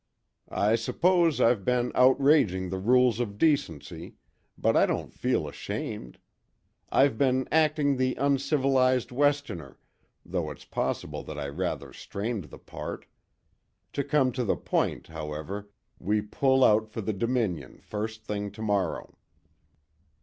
"I suppose I've been outraging the rules of decency, but I don't feel ashamed. I've been acting the uncivilised Westerner, though it's possible that I rather strained the part. To come to the point, however, we pull out for the Dominion first thing to morrow."